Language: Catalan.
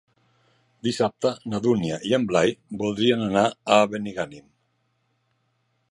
Dissabte na Dúnia i en Blai voldrien anar a Benigànim.